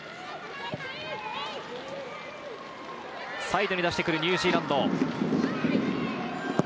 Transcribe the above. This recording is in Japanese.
サイドに出してくるニュージーランド。